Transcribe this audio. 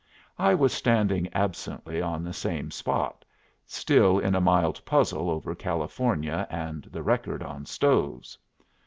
I was standing absently on the same spot, still in a mild puzzle over California and the record on stoves.